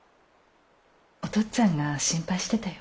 お父っつぁんが心配してたよ。